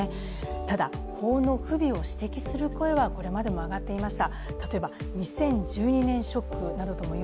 ただ、法の不備を指摘する声はこれまでも上がっていました。